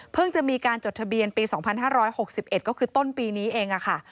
จะมีการจดทะเบียนปี๒๕๖๑ก็คือต้นปีนี้เองค่ะ